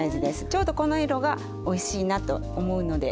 ちょうどこの色がおいしいなと思うので。